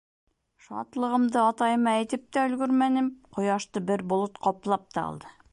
Шатлығымды атайыма әйтеп тә өлгөрмәнем, ҡояшты бер болот ҡаплап та алды.